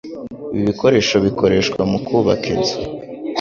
Ibi bikoresho bikoreshwa mukubaka inzu.